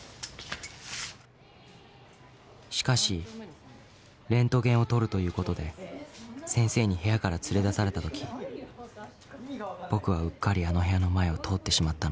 ［しかしレントゲンを撮るということで先生に部屋から連れ出されたとき僕はうっかりあの部屋の前を通ってしまったのです］